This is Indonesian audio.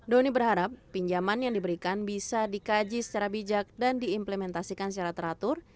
doni berharap pinjaman yang diberikan bisa dikaji secara bijak dan diimplementasikan secara teratur